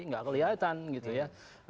nggak kelihatan gitu ya